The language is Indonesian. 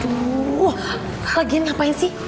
tuh lagi ngapain sih